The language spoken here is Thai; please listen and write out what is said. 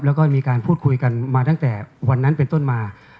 แล้วก็มีการพูดคุยกันมาตั้งแต่วันนั้นเป็นต้นมา